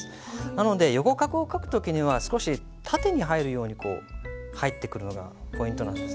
なので横画を書く時には少し縦に入るようにこう入ってくるのがポイントなんですね。